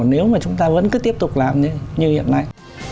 nếu mà chúng ta vẫn cứ tiếp tục làm như hiện nay